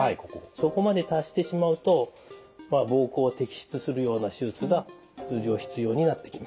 そこまで達してしまうと膀胱摘出するような手術が通常必要になってきます。